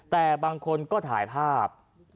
แต่บางคนก็ถ่ายภาพ